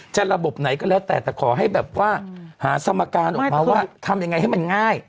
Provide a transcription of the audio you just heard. ระบบไหนก็แล้วแต่แต่ขอให้แบบว่าหาสมการออกมาว่าทำยังไงให้มันง่าย